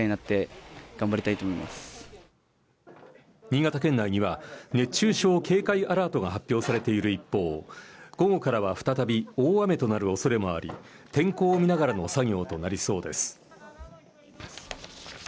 新潟県内には熱中症警戒アラートが発表されている一方、午後からは再び大雨となるおそれもあり、天候をみながらの作業となりそうです。